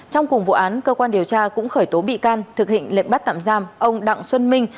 trong cùng vụ án cơ quan điều tra cũng khởi tố bị can thực hình lệnh bắt tạm giam ông đặng xuân minh